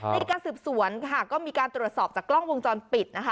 ในการสืบสวนค่ะก็มีการตรวจสอบจากกล้องวงจรปิดนะคะ